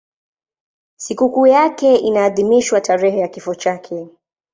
Sikukuu yake inaadhimishwa tarehe ya kifo chake.